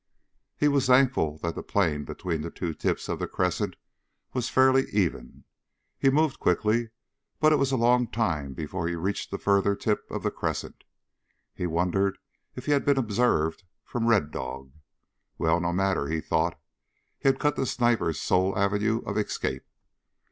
He was thankful that the plain between the two tips of the crescent was fairly even. He moved quickly, but it was a long time before he reached the further tip of the crescent. He wondered if he had been observed from Red Dog. Well, no matter, he thought. He had cut the sniper's sole avenue of escape.